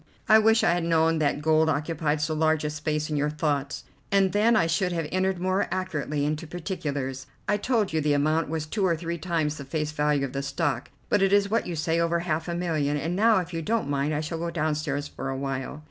I wish I had known that gold occupied so large a space in your thoughts, and then I should have entered more accurately into particulars. I told you the amount was two or three times the face value of the stock, but it is what you say, over half a million, and now if you don't mind I shall go downstairs for a while."